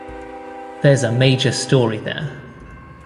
There's a major story there.